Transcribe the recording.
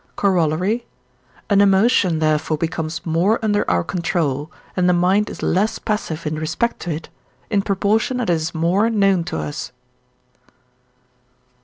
Corollary An emotion therefore becomes more under our control, and the mind is less passive in respect to it, in proportion as it is more known to us.